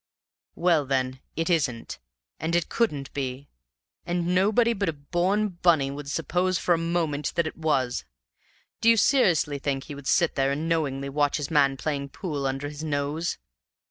"Well, then, it isn't, and it couldn't be, and nobody but a born Bunny would suppose for a moment that it was! Do you seriously think he would sit there and knowingly watch his man playing pool under his nose?